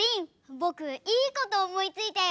ぼくいいことおもいついたよ。